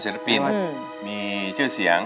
เป็นศิลปินมีเจ้าเสียง